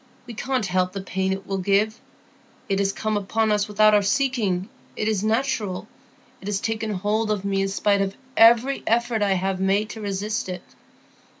We can't help the pain it will give. It is come upon us without our seeking; it is natural; it has taken hold of me in spite of every effort I have made to resist it.